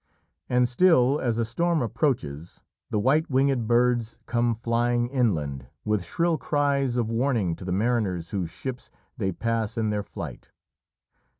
And still, as a storm approaches, the white winged birds come flying inland with shrill cries of warning to the mariners whose ships they pass in their flight.